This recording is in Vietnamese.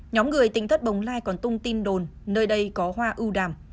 nhóm người tính thất bồng lai còn tung tin đồn nơi đây có hoa ưu đàm